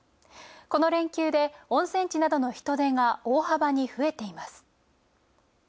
この連休で温泉地などの人出が大幅に増えています。